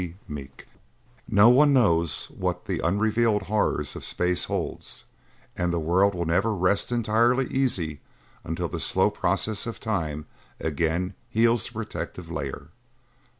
Meek_ "No one knows what unrevealed horrors space holds and the world will never rest entirely easy until the slow process of time again heals the protective layer."